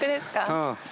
うん。